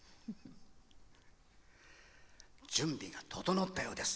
準備が整ったようです。